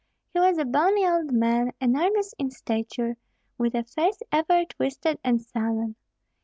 He was a bony old man, enormous in stature, with a face ever twisted and sullen!